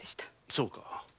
そうか。